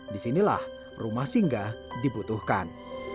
disinilah rumah singgah dibutuhkan